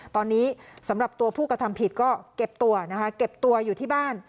ตอนนี้สำหรับตัวผู้กระทำผิดก็เก็บตัวนะคะเก็บตัวอยู่ที่บ้าน